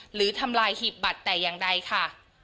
ทำลายหีบบัตรแต่อย่างใดค่ะ